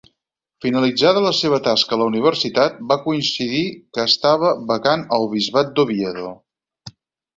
Finalitzada la seva tasca a la universitat, va coincidir que estava vacant el bisbat d'Oviedo.